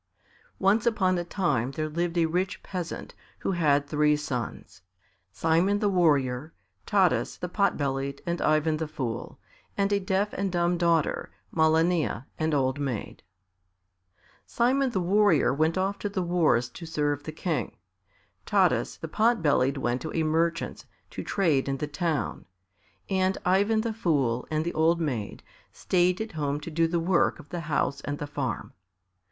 Once upon a time there lived a rich peasant, who had three sons Simon the Warrior, Taras the Pot bellied, and Ivan the Fool, and a deaf and dumb daughter, Malania, an old maid. Simon the Warrior went off to the wars to serve the King; Taras the Pot bellied went to a merchant's to trade in the town, and Ivan the Fool and the old maid stayed at home to do the work of the house and the farm.